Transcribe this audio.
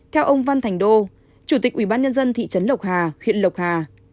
theo ông văn thành đô chủ tịch ubnd thị trấn lộc hà huyện lộc hà